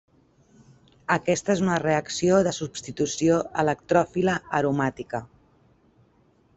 Aquesta és una reacció de substitució electròfila aromàtica.